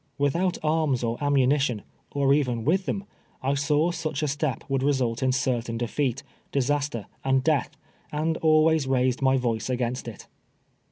TTitlioiit arms or ammunition, or even with them, I saw such a step would result in certain defeat, disaster and death, and always raised my voice against it.